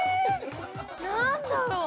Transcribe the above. ◆何だろう。